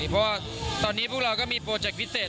เพราะว่าตอนนี้พวกเราก็มีโปรเจคพิเศษ